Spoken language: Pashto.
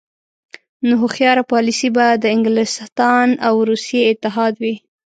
نو هوښیاره پالیسي به د انګلستان او روسیې اتحاد وي.